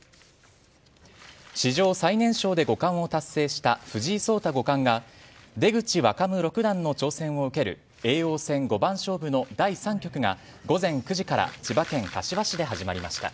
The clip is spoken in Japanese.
史上最年少で五冠を達成した藤井聡太五冠が、出口若武六段の挑戦を受ける、叡王戦五番勝負の第３局が午前９時から千葉県柏市で始まりました。